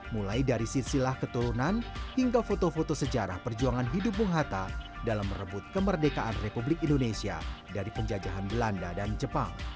mulai dari sisilah keturunan hingga foto foto sejarah perjuangan hidup bung hatta dalam merebut kemerdekaan republik indonesia dari penjajahan belanda dan jepang